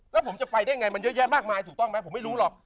แล้วผมจะไปได้ไงมันเยอะแยะมากมายถูกต้องไหมผมไม่รู้หรอก